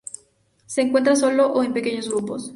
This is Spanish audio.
Se encuentra solo o en pequeños grupos.